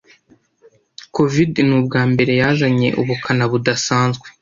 COVID ni ubwambere yazanye ubukana budasanzwe